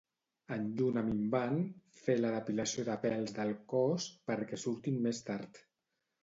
En lluna minvant fer la depilació de pèls del cos perquè surtin més tard